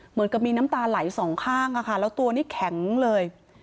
เหมือนกับมีน้ำตาไหลสองข้างค่ะแล้วตัวนี้แข็งเลย